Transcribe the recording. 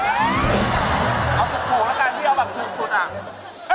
เอาถูกแล้วกันที่เอาแบบถูกสุดอ่ะ